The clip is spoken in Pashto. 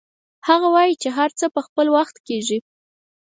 هغه وایي چې هر څه په خپل وخت کیږي